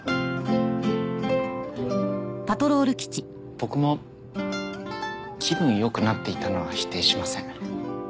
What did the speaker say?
僕も気分よくなっていたのは否定しません。